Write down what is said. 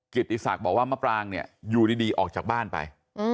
ติศักดิ์บอกว่ามะปรางเนี่ยอยู่ดีออกจากบ้านไป